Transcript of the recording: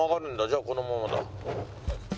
じゃあこのままだ。